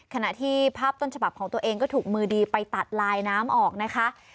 ขณะที่ภาพต้นฉบับของตัวเองก็ถูกมือดีไปตัดลายน้ำออกนะคะ